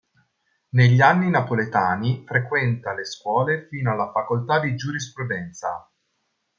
Negli anni napoletani frequenta le scuole fino alla facoltà di giurisprudenza.